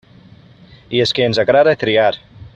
I és que ens agrada triar.